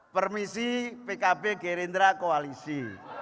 permisi pkb gerindra koalisi